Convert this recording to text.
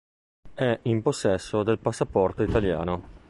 È in possesso del passaporto italiano.